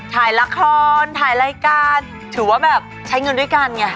ถ่ายละครถ่ายรายการถือว่าแบบใช้เงินด้วยกันไง